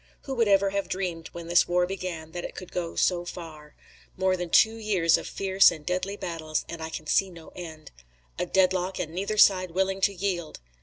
Who would ever have dreamed when this war began that it could go so far? More than two years of fierce and deadly battles and I can see no end. A deadlock and neither side willing to yield!